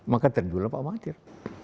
maka terjual pak mahathir